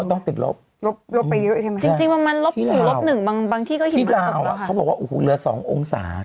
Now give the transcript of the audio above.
เธอหิมะนี่มันตกกี่องศา